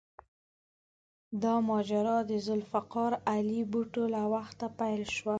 دا ماجرا د ذوالفقار علي بوټو له وخته پیل شوه.